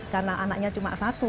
karena anaknya cuma satu